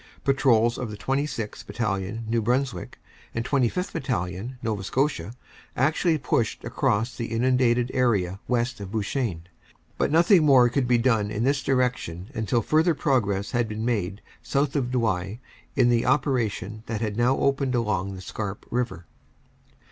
Patrols of the 26th. Battalion, New Brunswick, and 25th. Battalion, Nova Scotia, actually pushed across the inundated area west of Bouchain, but nothing more could be done in this direction until further progress had been made south of Douai in the operation that had now opened along the Scarpe River.